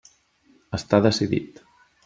Està decidit.